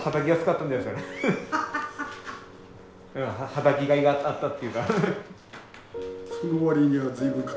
はたきがいがあったっていうか。